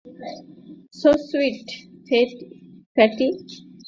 So sweet, fatty.